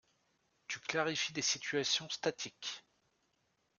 Tu clarifies des situations statiques.